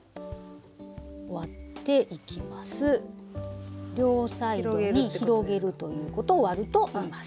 そして両サイドに広げるということを「割る」といいます。